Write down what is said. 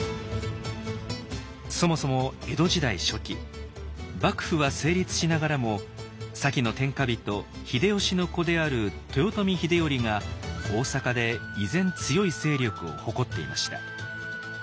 そもそも江戸時代初期幕府は成立しながらも先の天下人秀吉の子である豊臣秀頼が大坂で依然強い勢力を誇っていました。